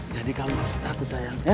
jadi kamu harus tetap bersayang ya